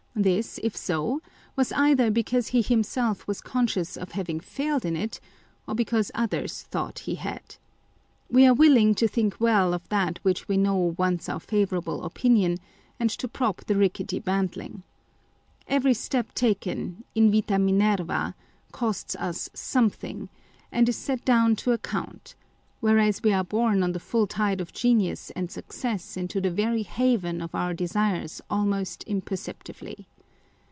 This, if so, wras either because he himself was conscious of having failed in it, or because others thought he had. We are willing to think well of that which we know wants our favourable opinion, and to prop the rickety bantling. Every step taken, invitd Minerva, costs us something, and is set down to account ; whereas we are borne on the full tide of genius and success into the very haven of our desires almost imperceptibly.